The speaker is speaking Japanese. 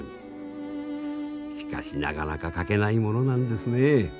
しかしなかなか書けないものなんですねえ。